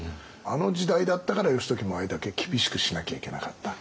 あの時代だったから義時もあれだけ厳しくしなきゃいけなかった。